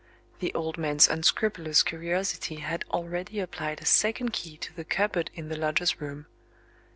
The old man's unscrupulous curiosity had already applied a second key to the cupboard in the lodger's room.